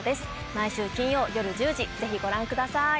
毎週金曜よる１０時ぜひご覧ください。